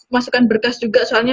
masukan berkas juga soalnya